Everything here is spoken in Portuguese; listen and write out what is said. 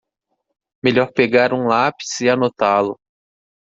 Melhor pegar um lápis e anotá-lo.